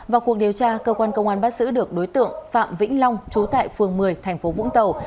vào cuộc điều tra cơ quan công an bắt giữ được đối tượng phạm vĩnh long chú tại phường một mươi tp vũng tàu